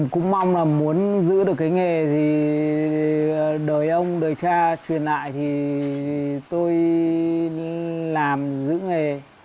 cũng mong là muốn giữ được cái nghề thì đời ông đời cha truyền lại thì tôi làm giữ nghề